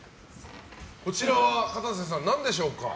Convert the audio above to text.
こちらは、かたせさん何でしょうか？